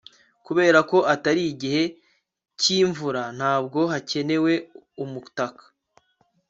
kubera ko atari igihe cyimvura, ntabwo hakenewe umutaka